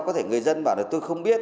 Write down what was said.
có thể người dân bảo là tôi không biết